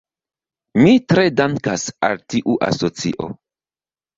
Mi tre dankas al tiu asocio.